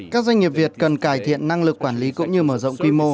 các doanh nghiệp việt cần cải thiện năng lực quản lý cũng như mở rộng quy mô